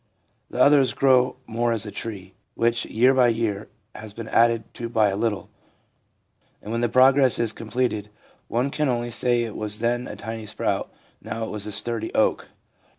The others grow more as a tree, which year by year has been added to by a little ; and when the process is completed, one can only say it was then a tiny sprout, now it is a sturdy oak.